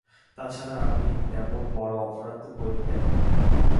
তা ছাড়া আমি তেমন বড় অপরাধ তো করি নাই!